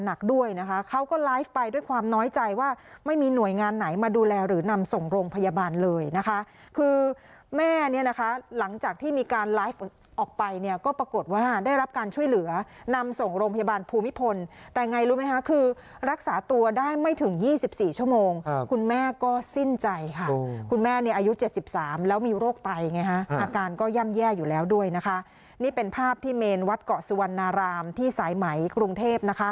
นักด้วยนะคะเขาก็ไลฟ์ไปด้วยความน้อยใจว่าไม่มีหน่วยงานไหนมาดูแลหรือนำส่งโรงพยาบาลเลยนะคะคือแม่เนี่ยนะคะหลังจากที่มีการไลฟ์ออกไปเนี่ยก็ปรากฏว่าได้รับการช่วยเหลือนำส่งโรงพยาบาลภูมิพลแต่ไงรู้ไหมค่ะคือรักษาตัวได้ไม่ถึงยี่สิบสี่ชั่วโมงคุณแม่ก็สิ้นใจค่ะคุณแม่เนี่ยอายุเจ็ดสิบ